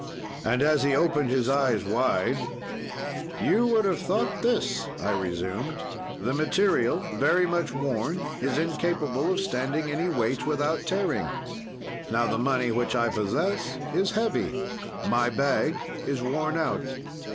"And as he opened his eyes wide: "'You would have thought this,' I resumed: "'The material, very much worn, is incapable of standing any weight without tearing. "'Now, the money which I possess is heavy, my bag is worn out.